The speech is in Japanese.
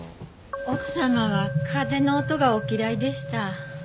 奥様は風の音がお嫌いでした。